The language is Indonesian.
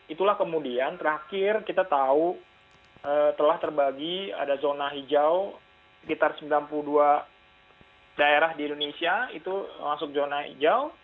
itulah kemudian terakhir kita tahu telah terbagi ada zona hijau sekitar sembilan puluh dua daerah di indonesia itu masuk zona hijau